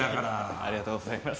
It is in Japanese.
ありがとうございます。